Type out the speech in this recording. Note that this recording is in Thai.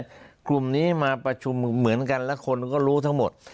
กลุ่มนี้มาประชุมเหมือนกันแล้วคนก็รู้ทั้งหมด